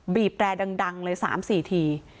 บีบแรดังเลย๓๔ที